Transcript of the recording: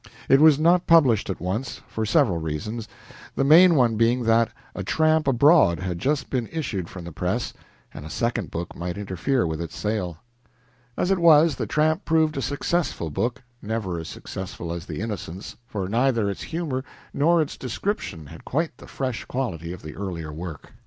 It was not published at once, for several reasons, the main one being that "A Tramp Abroad" had just been issued from the press, and a second book might interfere with its sale. As it was, the "Tramp" proved a successful book never as successful as the "Innocents," for neither its humor nor its description had quite the fresh quality of the earlier work.